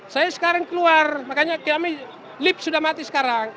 saya sekarang keluar makanya kami lift sudah mati sekarang